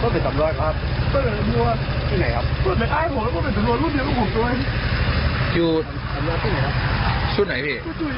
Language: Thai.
โอเคโอเคโอเค